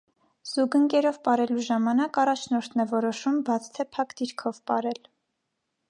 Զուգընկերով պարելու ժամանակ, առաջնորդն է որոշում բաց թե փակ դիրքով պարել։